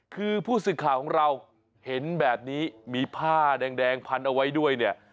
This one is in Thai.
คือผู้สื่อข่าวของเราเห็นแบบนี้มีผ้าแดงพันเอาไว้ด้วยเนี่ย